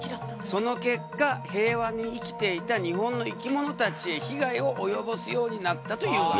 その結果平和に生きていた日本の生き物たちへ被害を及ぼすようになったというわけ。